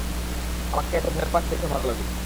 আমাকে এত ভয় পাস দেখে ভালো লাগল!